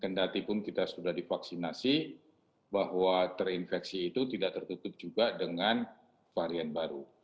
kendatipun kita sudah divaksinasi bahwa terinfeksi itu tidak tertutup juga dengan varian baru